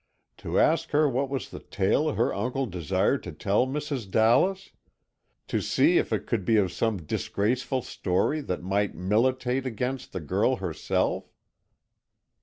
To ask her what was the tale her uncle desired to tell Mrs. Dallas? To see if it could be some disgraceful story that might militate against the girl herself?